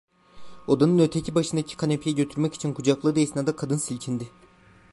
Odanın öteki başındaki kanepeye götürmek için kucakladığı esnada kadın silkindi…